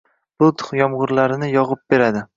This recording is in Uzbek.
bulut yomgʼirlarini yogʼib beradi